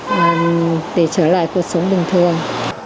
và để trở lại cuộc sống bình thường